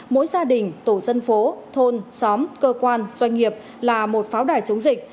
mỗi gia đình tổ dân phố thôn xóm cơ quan doanh nghiệp là một pháo đài chống dịch